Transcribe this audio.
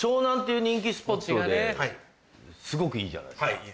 すごくいいじゃないですか。